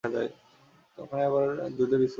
ওখানেই আবার দুধে বিস্কুট ভিজিয়ে খেয়ো।